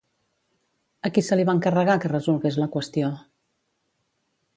A qui se li va encarregar que resolgués la qüestió?